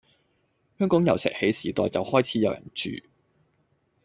香港由石器時代就開始有人住